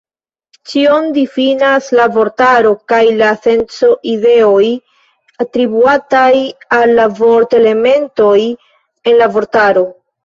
Ĉion difinas la vortaro kaj la senco-ideoj atribuataj al la vort-elementoj en la vortaro.